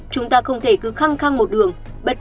chúng ta không thể cứ khăng khăng một đường